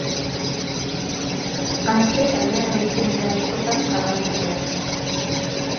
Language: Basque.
Hantxe lanean aritzen dira askotan arrantzaleak.